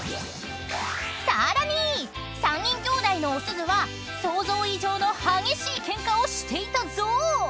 ［さらに３人きょうだいのおすずは想像以上の激しいケンカをしていたぞ］